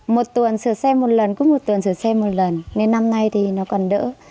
một tuần sửa xe một lần cứ một tuần sửa xe một lần nên năm nay thì nó còn đỡ